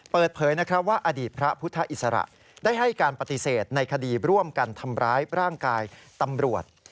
เปิดเผยว่าอดีตพระพุทธอิสระได้ให้การปฏิเสธในคดีร่วมกันทำร้ายร่างกายตำรวจ